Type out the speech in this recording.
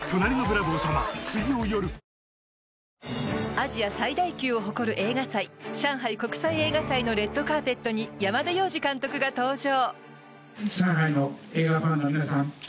アジア最大級を誇る映画祭上海国際映画祭のレッドカーペットに山田洋次監督が登場。